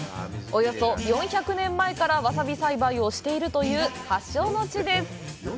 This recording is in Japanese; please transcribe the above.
およそ４００年前からわさび栽培をしているという発祥の地です。